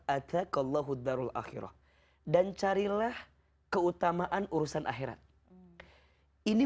atakallahu dharul akhirah dan carilah keutamaan urusan akhirat ini